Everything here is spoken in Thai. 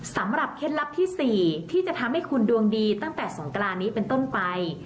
เคล็ดลับที่๔ที่จะทำให้คุณดวงดีตั้งแต่สงกรานนี้เป็นต้นไป